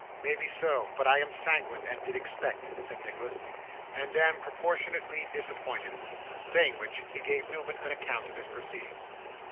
'Maybe so, but I am sanguine, and did expect,' said Nicholas, 'and am proportionately disappointed.' Saying which, he gave Newman an account of his proceedings.